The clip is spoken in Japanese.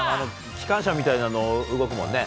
機関車みたいなの動くもんね。